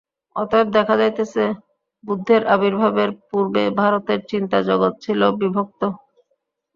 অতএব দেখা যাইতেছে, বুদ্ধের আবির্ভাবের পূর্বে ভারতের চিন্তা-জগৎ ছিল বিভক্ত।